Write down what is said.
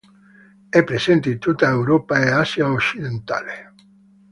È presente in tutta Europa e Asia occidentale.